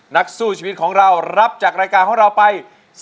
นักสู้ชีวิตของเรารับจากรายการของเราไป